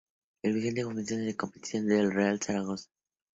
El vigente campeón de la competición es el Real Zaragoza.